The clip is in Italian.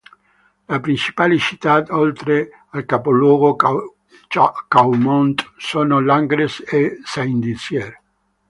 Le principali città, oltre al capoluogo Chaumont, sono Langres e Saint-Dizier.